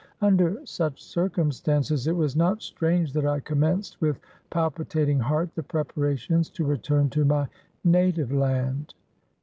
Under such circumstances, it was not strange that I commenced with palpitating heart the preparations to return to my native land.